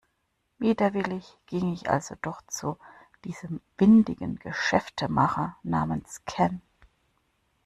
Widerwillig ging ich also doch zu diesem windigen Geschäftemacher namens Ken.